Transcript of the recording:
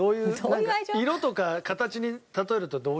色とか形に例えるとどういう？